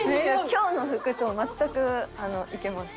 今日の服装全くいけます。